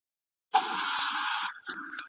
سړی نن ښار ته نه ځي.